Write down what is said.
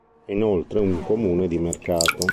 È inoltre un "comune di mercato".